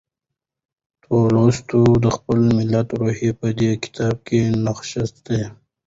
تولستوی د خپل ملت روح په دې کتاب کې نغښتی دی.